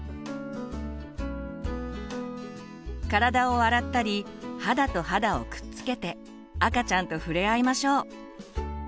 体を洗ったり肌と肌をくっつけて赤ちゃんと触れ合いましょう。